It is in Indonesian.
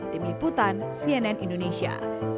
tim liputan cnn indonesia